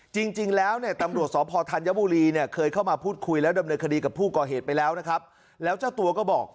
จริงแล้วเนี่ยตำรวจสอบพธัญบุรีเนี่ยเคยเข้ามาพูดคุยแล้ว